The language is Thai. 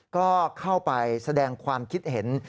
ก็เข้าไปแสดงความคิดเห็น